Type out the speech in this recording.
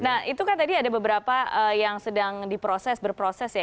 nah itu kan tadi ada beberapa yang sedang diproses berproses ya